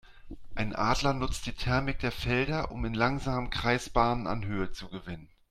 Ein Adler nutzt die Thermik der Felder, um in langsamen Kreisbahnen an Höhe zu gewinnen.